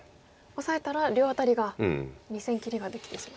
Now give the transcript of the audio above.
オサえたら両アタリが２線切りができてしまう。